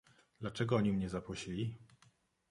"„Dlaczego oni mnie zaprosili?"